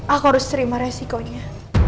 aku harus terima resikonya